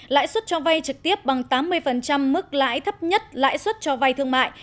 lãi suất cho vay trực tiếp bằng tám mươi mức lãi thấp nhất lãi suất cho vay thương mại